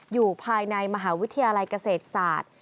อยู่ภายในมหาวิทยาลัยเกษตรศาสตร์